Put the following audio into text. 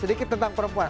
sedikit tentang perempuan